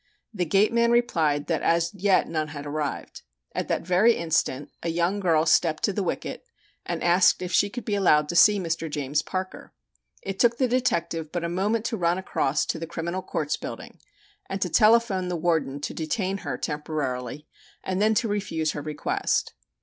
The gateman replied that as yet none had arrived. At that very instant a young girl stepped to the wicket and asked if she could be allowed to see Mr. James Parker. It took the detective but a moment to run across to the Criminal Courts Building and to telephone the warden to detain her temporarily and then to refuse her request.